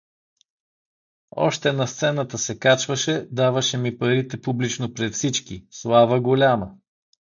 Още на сцената се качваше, даваше ми парите публично пред всички — слава голяма!